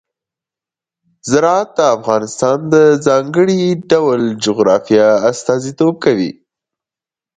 زراعت د افغانستان د ځانګړي ډول جغرافیه استازیتوب کوي.